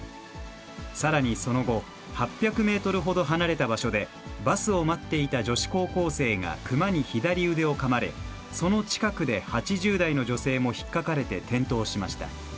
さらにその後、８００メートルほど離れた場所で、バスを待っていた女子高校生がクマに左腕をかまれ、その近くで８０代の女性もひっかかれて転倒しました。